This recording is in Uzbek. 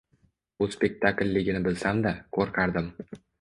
Bu spektaklligini bilsam-da, qo‘rqardim.